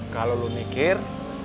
kalau lu mikir